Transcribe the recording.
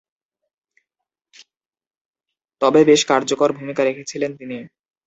তবে বেশ কার্যকর ভূমিকা রেখেছিলেন তিনি।